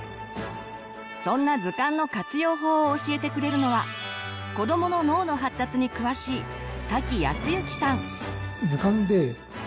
そんな図鑑の活用法を教えてくれるのは子どもの脳の発達に詳しい瀧靖之さん。